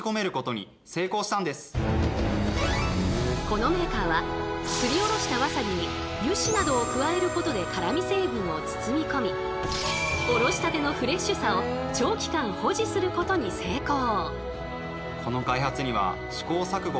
このメーカーはすりおろしたわさびに油脂などを加えることで辛み成分を包み込みおろしたてのフレッシュさを長期間保持することに成功！